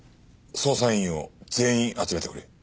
捜査員を全員集めてくれ。